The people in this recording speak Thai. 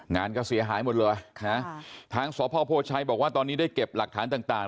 งานก็เสียหายหมดเลยนะทางสพโพชัยบอกว่าตอนนี้ได้เก็บหลักฐานต่าง